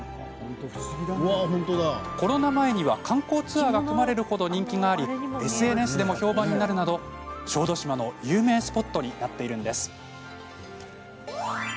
コロナ前には、観光ツアーが組まれるほど人気がありＳＮＳでも評判になるなど小豆島の有名スポットになっているんです。